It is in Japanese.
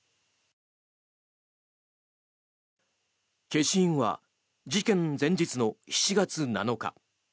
消印は事件前日の７月７日。